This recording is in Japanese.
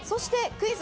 クイズ！